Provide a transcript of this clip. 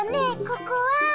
ここは。